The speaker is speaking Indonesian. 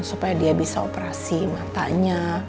supaya dia bisa operasi matanya